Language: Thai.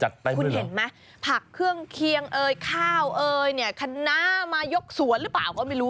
คุณเห็นไหมผักเครื่องเคียงข้าวขนามายกสวนหรือเปล่าก็ไม่รู้